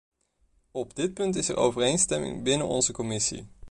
Op dit punt is er overeenstemming binnen onze commissie.